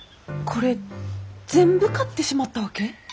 これ全部買ってしまったわけ？